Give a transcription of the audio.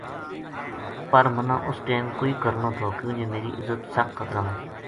پر مَنا اُس ٹیم کوئی کرنو تھو کیوں جے میری عزت سخت خطرا ما تھی